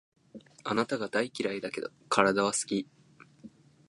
あなたが大嫌いだけど、体は好き